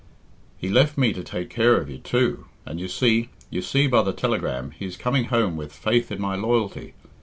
"He left me to take care of you, too, and you see you see by the telegram he is coming home with faith in my loyalty.